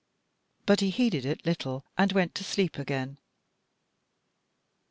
But he heeded it little and went to sleep again.